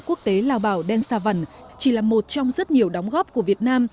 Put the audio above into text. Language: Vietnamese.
quốc tế lào bảo đen sa văn chỉ là một trong rất nhiều đóng góp của việt nam